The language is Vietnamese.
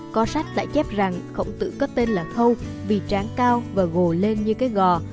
có sách đã chép rằng khổng tử có tên là khâu vì tráng cao và gồ lên như cái gò